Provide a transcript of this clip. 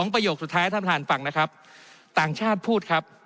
๒ประโยคสุดท้ายท่านฟังต่างชาติพูด